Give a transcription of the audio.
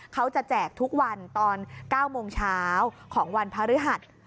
แจกทุกวันตอน๙โมงเช้าของวันพฤหัส